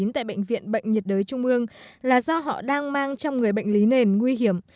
tại bệnh viện bệnh nhiệt đới trung ương là do họ đang mang trong người bệnh lý nền nguy hiểm